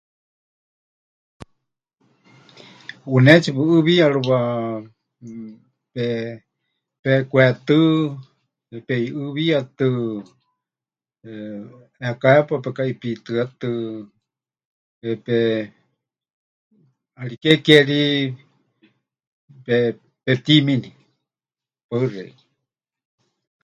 ʼUneetsi pɨʼɨɨwiyarɨwa mmm, pehekwetɨ́, peiʼɨɨwiyatɨ, eh, ʼeeká hepa pekaʼipitɨátɨ, ʼariké ke ri pepɨtimini. Paɨ xeikɨ́a.